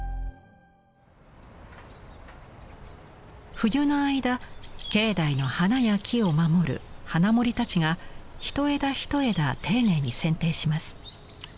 冬の間境内の花や木を守る「花守」たちが一枝一枝丁寧にせん定します。